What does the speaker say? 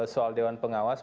soal dewan pengawas